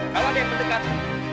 kalau ada yang mendekat